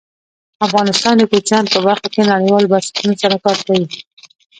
افغانستان د کوچیان په برخه کې نړیوالو بنسټونو سره کار کوي.